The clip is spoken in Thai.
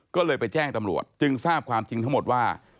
ก็เลยไปแจ้งตำรวจจึงทราบความจริงทั้งหมดว่า